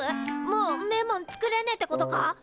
もうんめえもん作れねえってことか！？